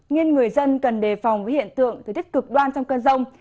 nên người dân cần đề phòng với hiện tượng thời tiết cực đoan trong cơn rông